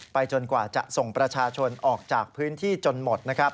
จนกว่าจะส่งประชาชนออกจากพื้นที่จนหมดนะครับ